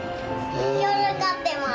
恐竜飼ってます。